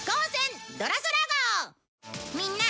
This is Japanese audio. みんな！